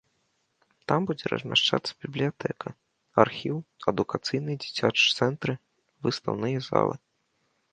Там будзе размяшчацца бібліятэка, архіў, адукацыйны і дзіцячы цэнтры, выстаўныя залы.